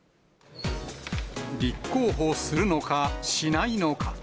立候補するのか、しないのか。